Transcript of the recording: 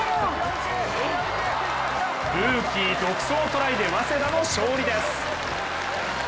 ルーキー独走トライで早稲田の勝利です。